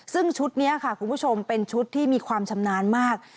ซึ่งชุดนี้ค่ะคุณผู้ชมเป็นชุดที่มีความชำนาญมาก